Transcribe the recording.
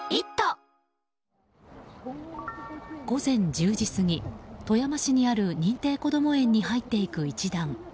午前１０時過ぎ富山市にある認定こども園に入っていく一団。